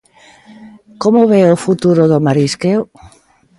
Como ve o futuro do marisqueo?